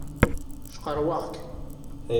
Cqerrweɣ-k!